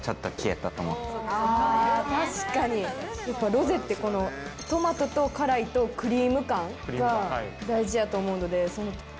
やっぱロゼってこのトマトと辛いとクリーム感が大事やと思うので。